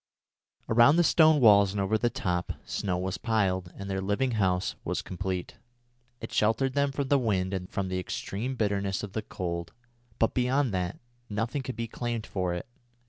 Around the stone walls and over the top, snow was piled, and their living house was complete. It sheltered them from the wind and from the extreme bitterness of the cold, but beyond that nothing could be claimed for it.